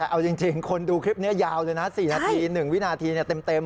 แต่เอาจริงคนดูคลิปนี้ยาวเลยนะ๔นาที๑วินาทีเต็ม